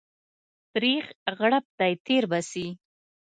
تريخ غړپ دى تير به سي.